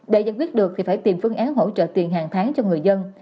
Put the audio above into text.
để giải quyết được thì phải tìm phương án hỗ trợ tiền hàng tháng cho người dân